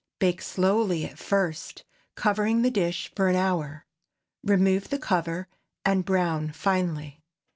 Bake slowly at first, covering the dish, for an hour. Remove the cover, and brown finely.